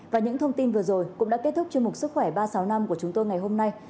và những thông tin vừa rồi cũng đã kết thúc chương mục sức khỏe ba trăm sáu mươi năm của chúng tôi ngày hôm nay